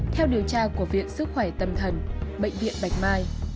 theo điều tra của viện sức khỏe tâm thần bệnh viện bạch mai